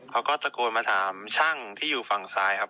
เขาก็ตะโกนมาถามช่างที่อยู่ฝั่งซ้ายครับ